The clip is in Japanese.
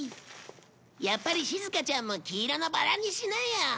やっぱりしずかちゃんも黄色のバラにしなよ。